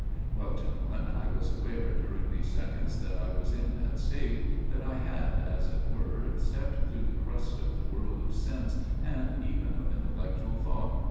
" Well, gentlemen, I was aware during those seconds that I was in that state, that I had, as it were, stepped through the crust of the world of sense and even of intellectual thought.